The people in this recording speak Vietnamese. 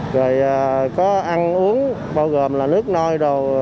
rồi có ăn uống bao gồm là nước nôi